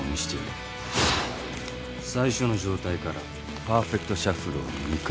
最初の状態からパーフェクトシャッフルを２回。